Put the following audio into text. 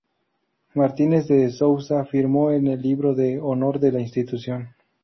Martínez de Sousa firmó en el libro de honor de la institución.